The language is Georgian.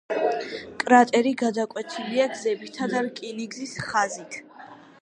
კრატერი გადაკვეთილია გზებითა და რკინიგზის ხაზით.